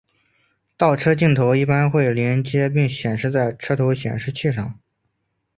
倒车镜头一般会连结并显示在车头显示器上。